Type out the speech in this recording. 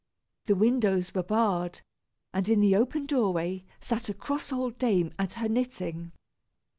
The windows were barred, and in the open doorway sat a cross old dame, at her knitting.